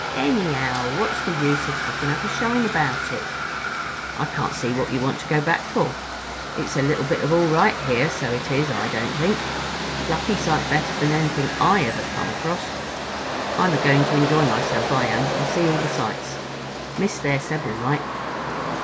"Anyhow, what's the use of kicking up a shine about it? I can't see what you want to go back for. It's a little bit of all right here, so it is—I don't think. Plucky sight better than anything I ever come across. I'm a goin' to enjoy myself I am, and see all the sights. Miss, there, said we might."